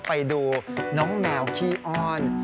ไปดูน้องแมวขี้อ้อน